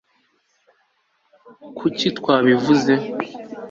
kuki twabivuze